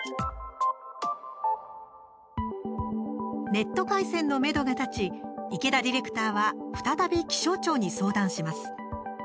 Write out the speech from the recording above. ネット回線のめどが立ち池田ディレクターは再び気象庁に相談します。